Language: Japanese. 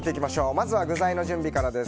まずは具材の準備からです。